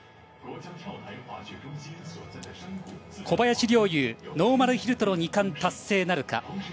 小林陵侑ノーマルヒルとの２冠達成なるか。